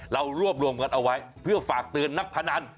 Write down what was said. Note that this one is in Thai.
เรารวบรวมกันเอาไว้เพื่อฝากเตือนนักพนัน